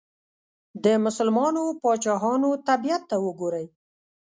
د مسلمانو پاچاهانو طبیعت ته وګورئ.